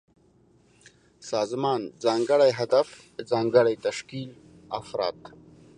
سازمان: ځانګړی هدف، ځانګړی تشکيل ، افراد